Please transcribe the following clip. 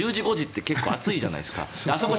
１０時５時って結構暑いじゃないですか